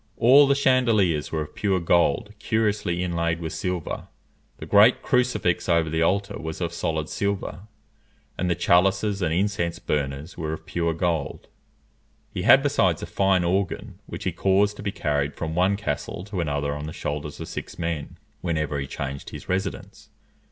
All the chandeliers were of pure gold curiously inlaid with silver. The great crucifix over the altar was of solid silver, and the chalices and incense burners were of pure gold. He had besides a fine organ, which he caused to be carried from one castle to another on the shoulders of six men, whenever he changed his residence.